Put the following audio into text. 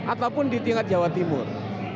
ataupun di tingkat jawa timur